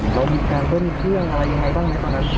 แล้วมีการก้นเครื่องอะไรอย่างไรบ้างไหมครับ